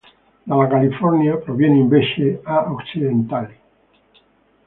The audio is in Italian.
Dalla California proviene invece A. occidentalis.